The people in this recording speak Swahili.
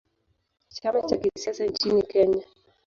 Chama cha kisiasa nchini Kenya.